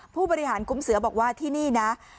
ผู้บริหารคุ้มเสือบอกว่าที่นี่นะ